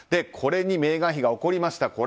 これにメーガン妃が怒りました。